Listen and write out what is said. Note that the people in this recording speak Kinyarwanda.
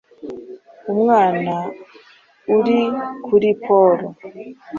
umwana uri kuri Polo